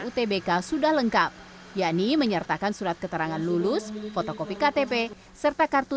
utbk sudah lengkap yakni menyertakan surat keterangan lulus fotokopi ktp serta kartu